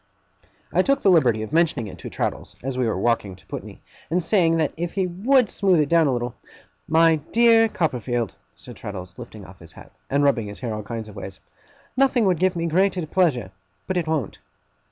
I took the liberty of mentioning it to Traddles, as we were walking to Putney; and saying that if he WOULD smooth it down a little 'My dear Copperfield,' said Traddles, lifting off his hat, and rubbing his hair all kinds of ways, 'nothing would give me greater pleasure. But it won't.